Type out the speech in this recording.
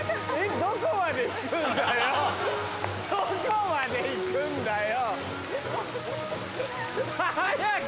どこまで行くんだよ！早く。